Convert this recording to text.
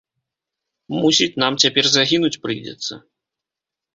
- Мусіць, нам цяпер загінуць прыйдзецца